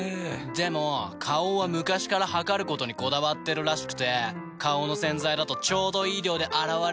でも花王は昔から量ることにこだわってるらしくて花王の洗剤だとちょうどいい量で洗われてるなって。